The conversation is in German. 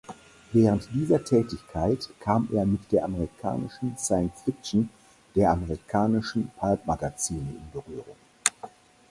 Während dieser Tätigkeit kam er mit der amerikanischen Science-Fiction der amerikanischen Pulp-Magazine in Berührung.